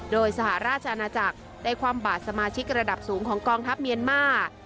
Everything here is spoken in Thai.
โดยสหราชอาณาจักรได้ความบาดสมาชิกระดับสูงของกองทัพเมียนมาร์